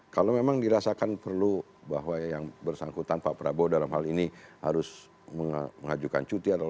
kalau memang dirasakan perlu bahwa yang bersangkutan pak prabowo dalam hal ini harus mengajukan cuti adalah